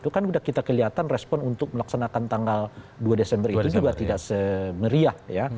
kan sudah kita kelihatan respon untuk melaksanakan tanggal dua desember itu juga tidak semeriah ya